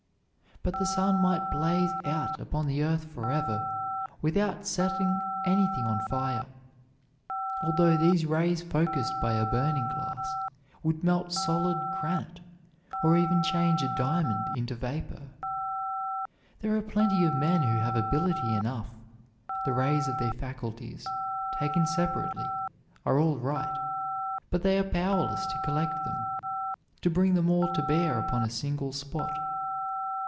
But the sun might blaze out upon the earth forever without setting anything on fire; although these rays focused by a burning glass would melt solid granite, or even change a diamond into vapor. There are plenty of men who have ability enough; the rays of their faculties, taken separately, are all right, but they are powerless to collect them, to bring them all to bear upon a single spot.